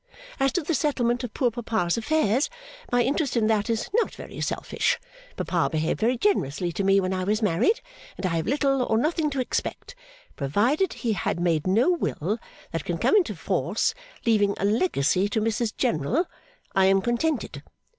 As to the settlement of poor papa's affairs, my interest in that is not very selfish. Papa behaved very generously to me when I was married, and I have little or nothing to expect. Provided he had made no will that can come into force, leaving a legacy to Mrs General, I am contented.